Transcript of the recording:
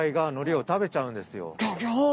ギョギョッ！